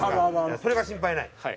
それが心配ない。